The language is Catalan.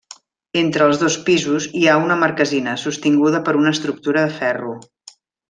Entre els dos pisos hi ha una marquesina, sostinguda per una estructura de ferro.